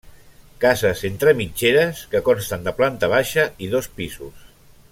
Cases entre mitgeres que consten de planta baixa i dos pisos.